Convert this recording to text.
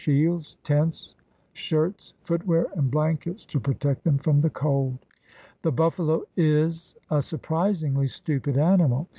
. shields, tents, shirts, footwear, and blankets to protect them from the cold."' The buffalo is a surprisingly stupid animal.